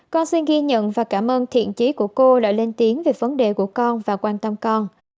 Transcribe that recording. con xin ghi nhận và cảm ơn thiện trí của cô đã lên tiếng về vấn đề của con và quan tâm con